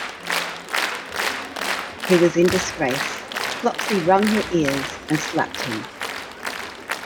He was in disgrace; Flopsy wrung her ears, and slapped him.